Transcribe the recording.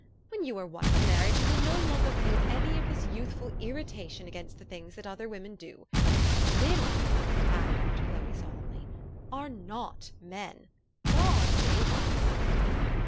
When you are once married, you will no longer feel any of this youthful irritation against the things that other women do. Women." added aunt Chloe solemnly, "are not men. God made us."